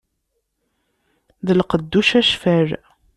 D lqedd ucacfel.